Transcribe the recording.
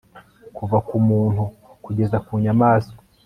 kuva ku muntu kugeza ku nyamaswa